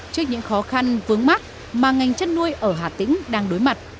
trước những khó khăn vướng mắt mà ngành chăn nuôi ở hà tĩnh đang đối mặt